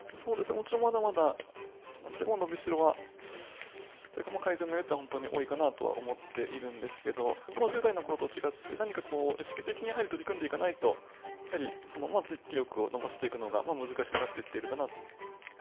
もちろんまだまだ伸びしろは、というか改善の余地は本当に多いかなというふうに思っているんですけれども、１０代のころと違って、何かこう、意識的にやはり取り組んでいかないと、やはり実力を伸ばしていくのが難しくなってきているかなと。